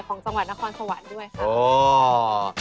ของจังหวัดนครสวรรค์ด้วยค่ะ